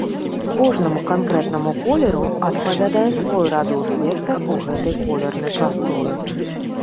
Кожнаму канкрэтнаму колеру адпавядае свой радыус-вектар у гэтай колернай прасторы.